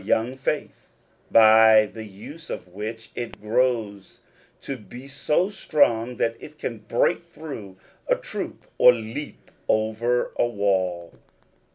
young faith, by the use of which it grows to be so strong that it can break through a troop, or leap over a wall.